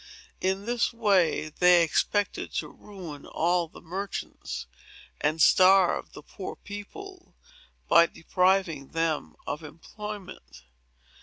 In this way, they expected to ruin all the merchants, and starve the poor people, by depriving them of employment.